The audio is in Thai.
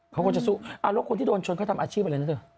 เขาก็จะสู้แล้วคนที่โดนชนเขาทำอาชีพอะไรนะเธอ